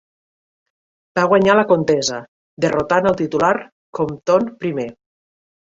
Va guanyar la contesa, derrotant al titular Compton I.